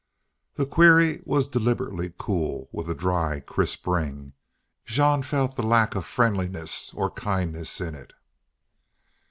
The query was deliberately cool, with a dry, crisp ring. Jean felt the lack of friendliness or kindliness in it.